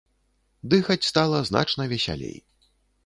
Дыхаць стала значна весялей.